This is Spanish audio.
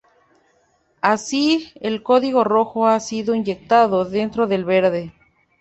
Así, el código rojo ha sido "inyectado" dentro del verde.